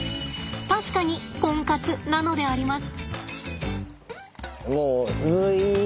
確かにコンカツなのであります！